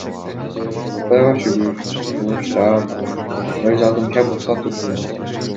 Кудайга шүгүр, жумуш таап, өз алдымча бутка турдум.